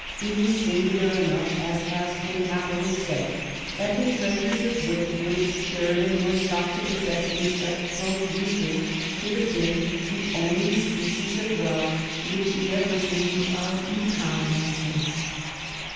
It is singular enough, as has been happily said, that the treasures of wit which Sheridan was thought to possess in such profusion should have been the only species of wealth which he ever dreamed of economizing.